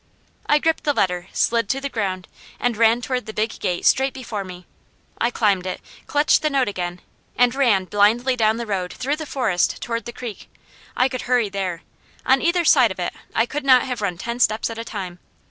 I gripped the letter, slid to the ground, and ran toward the big gate straight before me. I climbed it, clutched the note again, and ran blindly down the road through the forest toward the creek. I could hurry there. On either side of it I could not have run ten steps at a time.